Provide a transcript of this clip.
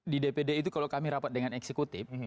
di dpd itu kalau kami rapat dengan eksekutif